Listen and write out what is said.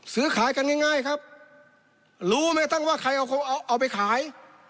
ซื้อขายกันง่ายง่ายครับรู้ไม่ตั้งว่าใครเอาไปขาย